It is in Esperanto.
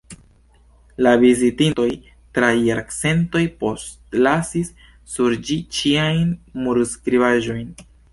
La vizitintoj tra jarcentoj postlasis sur ĝi ĉiajn murskribaĵojn.